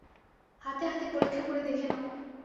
হাতে হাতে পরীক্ষা করে দেখে নাও।